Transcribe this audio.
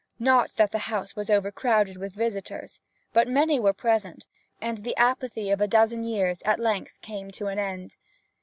Not that the house was overcrowded with visitors, but many were present, and the apathy of a dozen years came at length to an end.